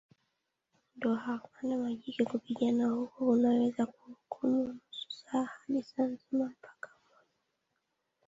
ndo huwapanda majike Kupigana huku kunaweza chukua nusu saa hadi saa zima mpaka mmoja